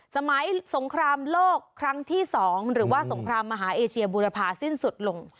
สงครามโลกครั้งที่๒หรือว่าสงครามมหาเอเชียบุรพาสิ้นสุดลง